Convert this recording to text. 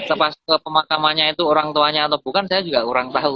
sepas ke pemakamannya itu orang tuanya atau bukan saya juga kurang tahu